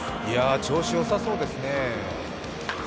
調子よさそうですね。